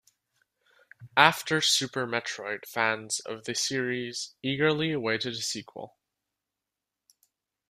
After "Super Metroid", fans of the series eagerly awaited a sequel.